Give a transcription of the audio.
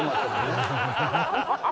「ハハハハ！」